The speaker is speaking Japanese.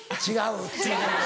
違う。